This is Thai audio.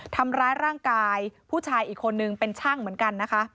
ทำร้ายร่างกายผู้ชายอีกคนนึงเป็นช่างเหมือนกันนะคะ